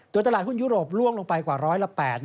โดยตลาดหุ้นยุโรปล่วงลงไปกว่าร้อยละ๘